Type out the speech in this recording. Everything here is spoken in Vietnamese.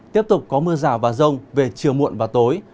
tiếp tục có mưa rào và rông về chiều muộn và tối